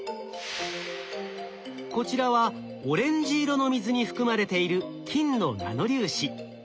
こちらはオレンジ色の水に含まれている金のナノ粒子。